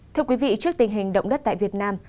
thưa quý vị trước tình hình động đất tại việt nam